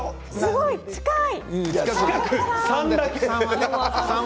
すごい近い。